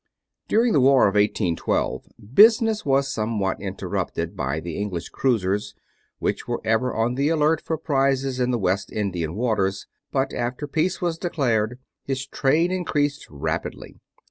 During the war of 1812 business was somewhat interrupted by the English cruisers, which were ever on the alert for prizes in the West Indian waters, but, after peace was declared, his trade increased rapidly.